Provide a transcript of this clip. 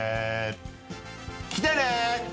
来てね！